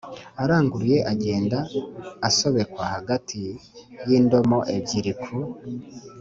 aranguruye agenda asobekwa hagati y'indomo ebyiri ku